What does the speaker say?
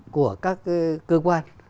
của các cơ quan